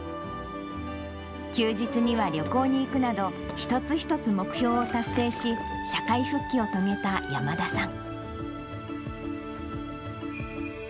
休日には旅行に行くなど、一つ一つ目標を達成し、社会復帰を遂げた山田さん。